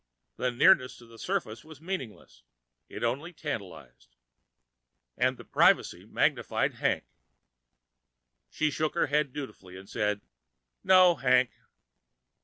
The nearness to the surface was meaningless; it only tantalized. And the privacy magnified Hank._ She shook her head dutifully and said, "No, Hank."